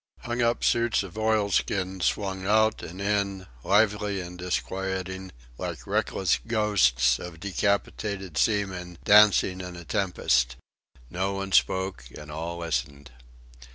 Hung up suits of oilskin swung out and in, lively and disquieting like reckless ghosts of decapitated seamen dancing in a tempest. No one spoke and all listened.